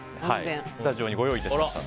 スタジオにご用意いたしました。